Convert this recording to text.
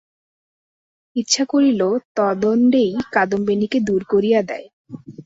ইচ্ছা করিল তদ্দণ্ডেই কাদম্বিনীকে দূর করিয়া দেয়।